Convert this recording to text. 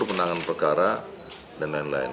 penanganan perkara dan lain lain